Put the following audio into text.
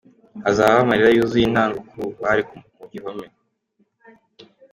Hazabaho amarira yuzuye intango ku bari mu gihome.